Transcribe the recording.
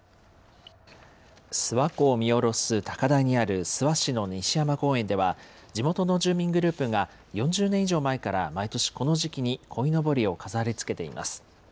諏訪湖を見下ろす高台にある諏訪市の西山公園では、地元の住民グループが４０年以上前から、毎年この時期にこいのぼりを飾りつけています。